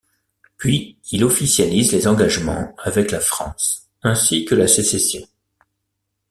Puis il officialise les engagements avec la France ainsi que la sécession.